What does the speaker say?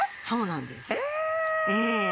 そうなんです。え！